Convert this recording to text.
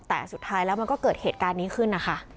แต่สุดท้ายแล้วมันก็เกิดเหตุการณ์นี้ขึ้นนะคะ